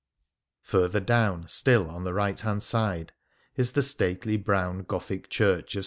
Further down, still on the right hand side, is the stately brown Gothic church of S.